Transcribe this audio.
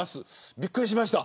びっくりしました。